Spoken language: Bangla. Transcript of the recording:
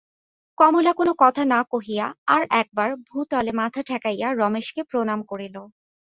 কমলা কোনো কথা না কহিয়া আর-একবার ভূতলে মাথা ঠেকাইয়া রমেশকে প্রণাম করিল।